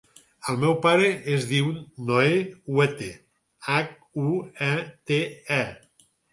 El meu pare es diu Noè Huete: hac, u, e, te, e.